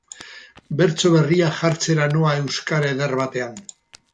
Bertso berriak jartzera noa euskara eder batean.